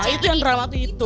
itu yang drama tuh itu